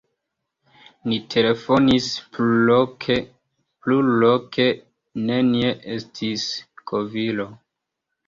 Ni telefonis plurloke: nenie estis kovilo.